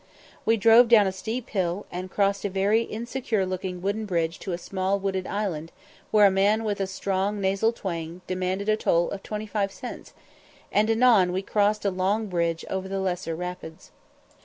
We drove down a steep hill, and crossed a very insecure looking wooden bridge to a small wooded island, where a man with a strong nasal twang demanded a toll of twenty five cents, and anon we crossed a long bridge over the lesser rapids.